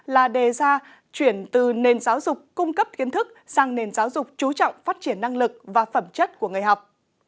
là đề ra chuyển từ nền giáo dục cung cấp kiến thức sang nền giáo dục chú trọng phát triển năng lực và phẩm chất của người học